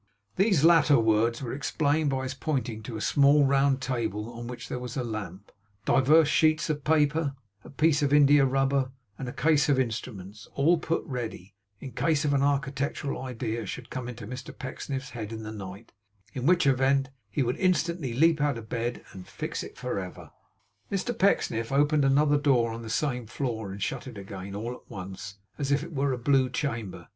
These latter words were explained by his pointing to a small round table on which were a lamp, divers sheets of paper, a piece of India rubber, and a case of instruments; all put ready, in case an architectural idea should come into Mr Pecksniff's head in the night; in which event he would instantly leap out of bed, and fix it for ever. Mr Pecksniff opened another door on the same floor, and shut it again, all at once, as if it were a Blue Chamber.